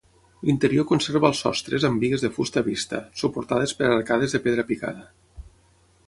L'interior conserva els sostres amb bigues de fusta vista, suportades per arcades de pedra picada.